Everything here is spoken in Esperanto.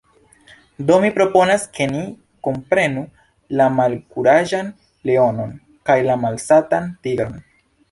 Do mi proponas ke ni kunprenu la Malkuraĝan Leonon kaj la Malsatan Tigron.